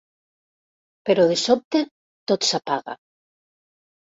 Però, de sobte, tot s'apaga.